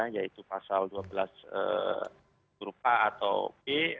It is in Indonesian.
yaitu pasal dua belas huruf a atau b